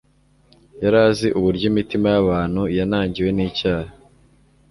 Yari azi uburyo imitima y' abantu yanangiwe n' icyaha,